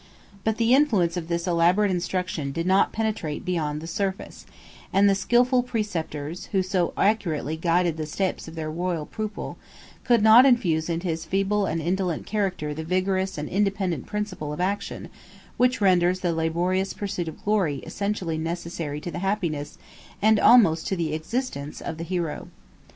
But the influence of this elaborate instruction did not penetrate beyond the surface; and the skilful preceptors, who so accurately guided the steps of their royal pupil, could not infuse into his feeble and indolent character the vigorous and independent principle of action which renders the laborious pursuit of glory essentially necessary to the happiness, and almost to the existence, of the hero.